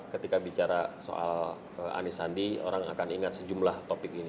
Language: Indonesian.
ketika bicara soal anies sandi orang akan ingat sejumlah topik ini